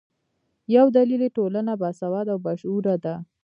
یو دلیل یې ټولنه باسواده او باشعوره ده.